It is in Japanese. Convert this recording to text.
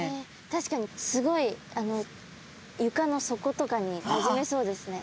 確かにスゴいゆかの底とかになじめそうですね。